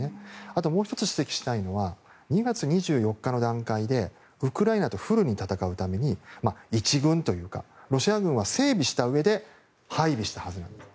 あともう１つ指摘したいのは２月２４日の段階でウクライナとフルに戦うために１軍というかロシア軍は整備したうえで配備したはずなんです。